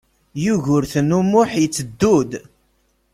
Yugurten U Muḥ iteddu-d.